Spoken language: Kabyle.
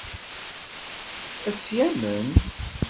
Ad tt-yamen?